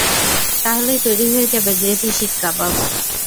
তাহলেই তৈরি হয়ে যাবে গ্রেভি শিক কাবাব।